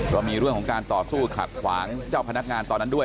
ก็มีเรื่องของการต่อสู้ขัดขวางเจ้าพนักงานตอนนั้นด้วย